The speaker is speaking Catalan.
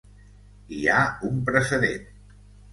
Hi ha un precedent.